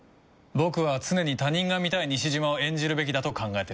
僕は常に他人が見たい西島を演じるべきだと考えてるんだ。